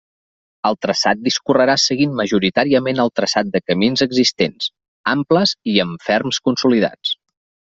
El traçat discorrerà seguint majoritàriament el traçat de camins existents, amples i amb ferms consolidats.